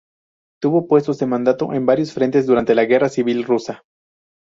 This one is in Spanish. Tuvo puestos de mando en varios frentes durante la Guerra Civil Rusa.